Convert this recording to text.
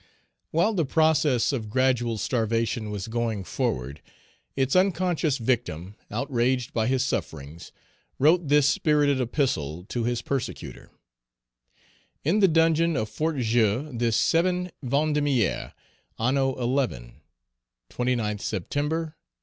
While the process of gradual starvation was going forward, its unconscious victim, outraged by his sufferings, wrote this spirited epistle to his persecutor: In the dungeon of Fort Joux, this 7 Vendémiaire, an xi. (29th September, 1802.)